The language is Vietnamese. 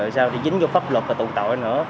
sao thì dính vô pháp luật và tội tội nữa